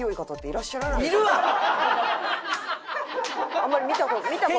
あんまり見た事見た事ない。